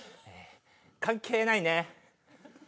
関係ないね。